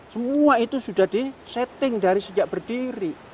semua itu sudah di setting dari sejak berdiri